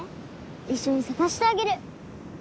一緒に探してあげる。